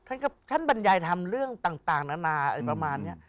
ท่านบรรยายทำเรื่องต่างนานาอะไรประมาณนี้